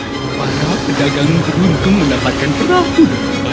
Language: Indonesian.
padahal pedagang beruntung mendapatkan perahu di bagian bawah